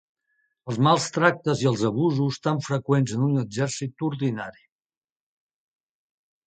Els mals tractes i els abusos, tan freqüents en un exèrcit ordinari